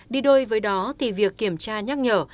đi đôi với đó thì việc kiểm tra nhắc nhở